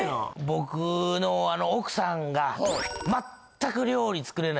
僕の奥さんが全く。